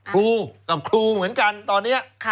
ครูกับครูเหมือนกันตอนนี้